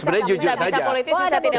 sebenarnya jujur saja